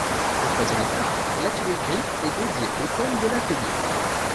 Au troisième étage, l’atelier gris est dédié au thème de l’atelier.